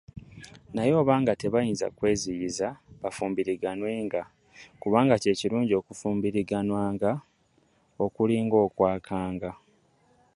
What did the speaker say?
Naye oba nga tebayinza kweziyiza, bafumbiriganwenga: kubanga kye kirungi okufumbiriganwanga okulinga okwakanga.